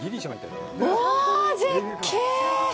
うわぁ、絶景！